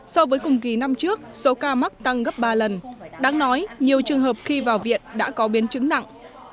so với cùng kỳ năm trước số ca mắc tăng gấp ba lần đáng nói nhiều trường hợp khi vào viện đã có biến chứng nặng